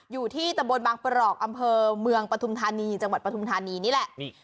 อยู่ที่แต่บนบางประหลอกอำเภอจังหวัดปฐุมธานีนี่แหละ